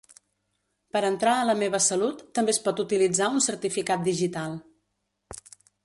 Per entrar a La Meva Salut també es pot utilitzar un certificat digital.